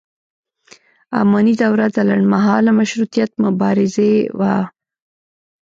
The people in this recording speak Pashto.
اماني دوره د لنډ مهاله مشروطیت مبارزې وه.